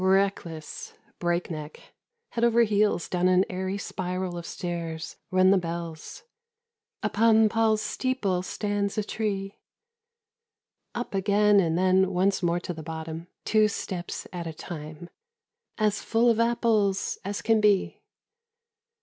Reckless, break neck, head over heels down an airy spiral of stairs run the bells. ' Upon Paul's steeple stands a tree.' Up again and then once more to the bottom, two steps at a time. ' As full of apples as can be.'